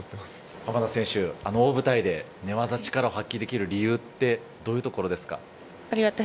浜田選手、あの大舞台で寝技の力を発揮できる理由ってどういうところですか？